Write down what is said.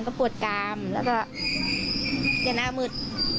ก็ปวดกามแล้วก็จะหน้ามืด